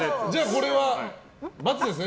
これは×ですね。